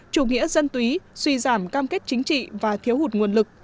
chủ nghĩa dân túy suy giảm cam kết chính trị và thiếu hụt nguồn lực